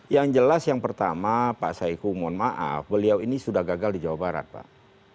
yang jelas yang pertama pak saiku mohon maaf beliau ini sudah gagal di jawa barat pak